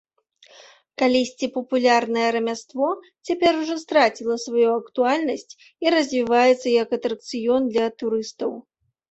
Калісьці папулярнае рамяство цяпер ужо страціла сваю актуальнасць і развіваецца як атракцыён для турыстаў.